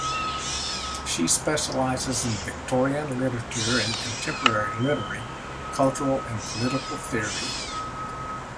She specializes in Victorian literature and contemporary literary, cultural, and political theory.